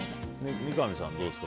三上さん、どうですか。